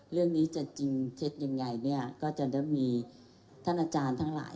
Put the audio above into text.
เรื่องนี้จะจริงเทคยังไง